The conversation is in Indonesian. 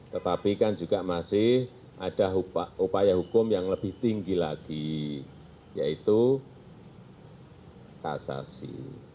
tetapi kan juga masih ada upaya hukum yang lebih tinggi lagi yaitu kasasi